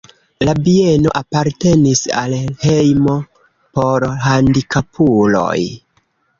La bieno apartenis al hejmo por handikapuloj.